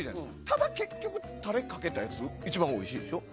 ただ結局タレかけたやつ一番おいしいでしょ。